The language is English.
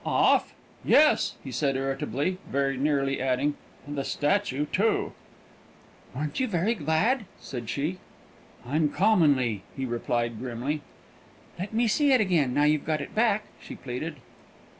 "Off? yes!" he said irritably, very nearly adding, "and the statue too." "Weren't you very glad!" said she. "Uncommonly," he replied grimly. "Let me see it again, now you've got it back," she pleaded.